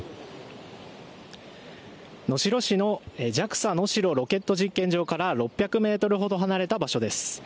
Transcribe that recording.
能代市のＪＡＸＡ能代ロケット実験場から６００メートルほど離れた場所です。